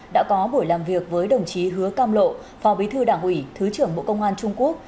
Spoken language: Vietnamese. đã có buổi làm việc với đồng chí hứa cam lộ phó bí thư đảng ủy thứ trưởng bộ công an trung quốc